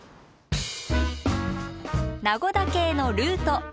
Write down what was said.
名護岳へのルート。